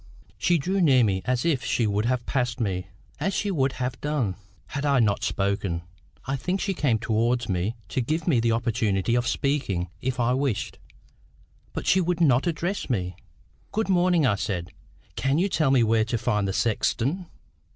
She drew near me, as if she would have passed me, as she would have done, had I not spoken. I think she came towards me to give me the opportunity of speaking if I wished, but she would not address me. "Good morning," I said. "Can you tell me where to find the sexton?"